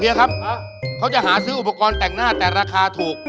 ครับเขาจะหาซื้ออุปกรณ์แต่งหน้าแต่ราคาถูก